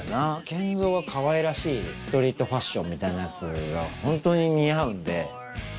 ＫＥＮＺＯはかわいらしいストリートファッションみたいなやつがホントに似合うんで。